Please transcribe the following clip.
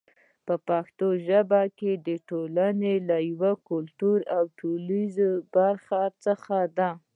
پښتو ژبه د ټولنې له یوې کلتوري او ټولنیزې برخې څخه ده.